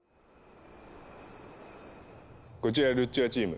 こちらルッチョラチーム。